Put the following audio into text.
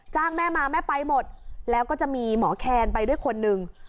แม่มาแม่ไปหมดแล้วก็จะมีหมอแคนไปด้วยคนหนึ่ง